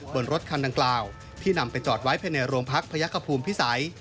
บนรถคันดังกล่าวที่นำไปจอดไว้ภายในโรงพักพระยักษภูมิพิสัย